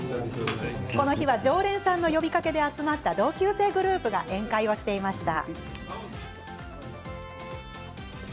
この日は常連さんの呼びかけで集まった同級生グループが宴会をしていました。